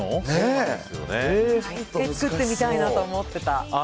１回作ってみたいなと思ってた。